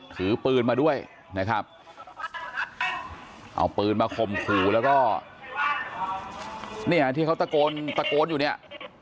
ถือปืนมาด้วยนะครับเอาปืนมาข่มขู่แล้วก็เนี่ยที่เขาตะโกนตะโกนอยู่เนี่ย